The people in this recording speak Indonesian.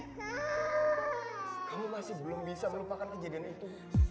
kamu masih belum bisa melupakan kejadian itu